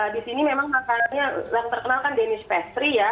di sini memang makanya yang terkenal kan denice pastry ya